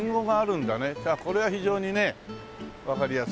これは非常にねわかりやすい。